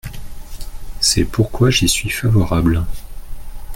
C’est pourquoi j’y suis favorable.